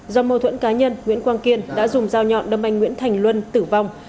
do mâu thuẫn cá nhân nguyễn quang kiên đã dùng dao nhọn đâm anh nguyễn thành luân tử vong